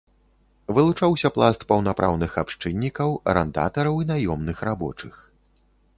Вылучаўся пласт паўнапраўных абшчыннікаў, арандатараў і наёмных рабочых.